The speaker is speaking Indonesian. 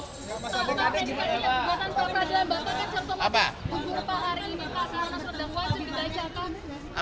pak apa yang dikatakan bapak dan pak pradana